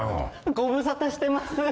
ご無沙汰してます。